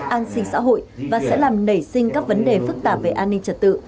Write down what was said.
an sinh xã hội và sẽ làm nảy sinh các vấn đề phức tạp về an ninh trật tự